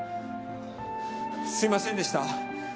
すいませんでした！